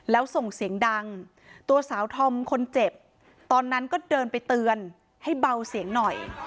แล้วส่งเสียงดังตัวสาวธอมคนเจ็บตอนนั้นก็เดินไปเตือนให้เบาเสียงหน่อย